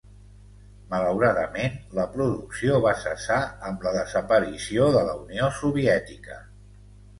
Malauradament, la producció va cessar amb la desaparició de la Unió Soviètica.